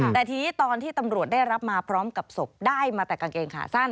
แต่ทีนี้ตอนที่ตำรวจได้รับมาพร้อมกับศพได้มาแต่กางเกงขาสั้น